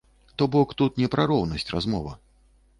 То-бок тут не пра роўнасць размова.